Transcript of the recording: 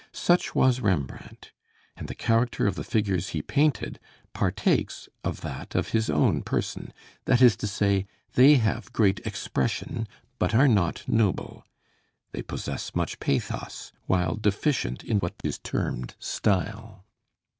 Such was Rembrandt; and the character of the figures he painted partakes of that of his own person. That is to say, they have great expression, but are not noble; they possess much pathos, while deficient in what is termed style.